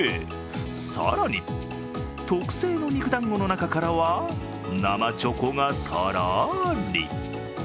更に特性の肉だんごの中からは生チョコがとろり。